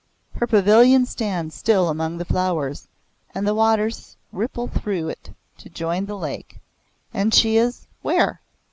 Her pavilion stands still among the flowers, and the waters ripple through it to join the lake and she is where?